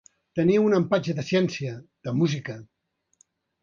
Tenir un empatx de ciència, de música.